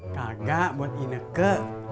kagak buat ineke